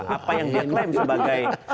apa yang dia klaim sebagai